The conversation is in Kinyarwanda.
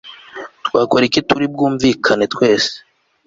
twakora iki Turi bwumvikane twese